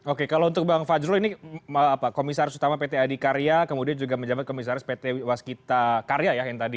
oke kalau untuk bang fajrul ini komisaris utama pt adikarya kemudian juga menjabat komisaris pt waskita karya ya yang tadi